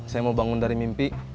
saya mau bangun dari mimpi